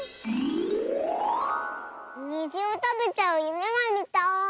にじをたべちゃうゆめがみたい！